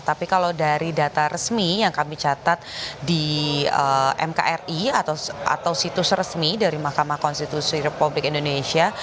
tapi kalau dari data resmi yang kami catat di mkri atau situs resmi dari mahkamah konstitusi republik indonesia